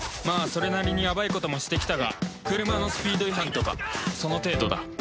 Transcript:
まあそれなりにやばいこともしてきたが車のスピード違反とかその程度だ